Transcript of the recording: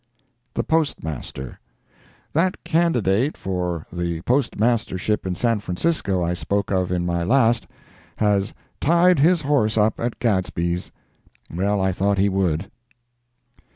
The Postmaster. That candidate for the Postmastership in San Francisco I spoke of in my last, has "tied his horse up at Gadsby's." Well, I thought he would.